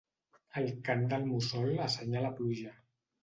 El cant del mussol assenyala pluja.